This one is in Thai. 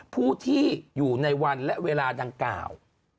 ผู้ที่อยู่ในวันและเวลาดังกล่าว